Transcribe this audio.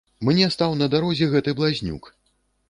Мне стаў на дарозе гэты блазнюк.